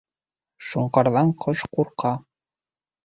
Шоңҡарҙан ҡош ҡурҡа